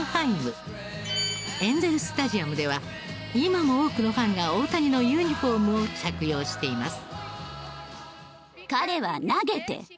エンゼルスタジアムでは今も多くのファンが大谷のユニホームを着用しています。